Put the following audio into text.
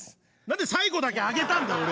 何で最後だけ上げたんだよ